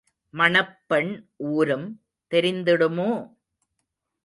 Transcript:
மணப்பெண் ஊரும் தெரிந்திடுமோ?